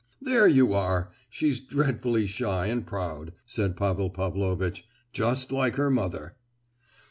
"There you are—she's dreadfully shy and proud," said Pavel Pavlovitch; "just like her mother."